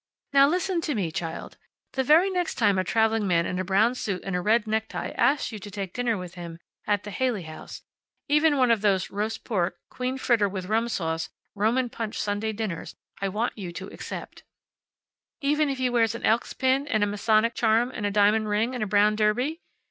"Now listen to me, child. The very next time a traveling man in a brown suit and a red necktie asks you to take dinner with him at the Haley House even one of those roast pork, queen fritter with rum sauce, Roman punch Sunday dinners I want you to accept." "Even if he wears an Elks' pin, and a Masonic charm, and a diamond ring and a brown derby?"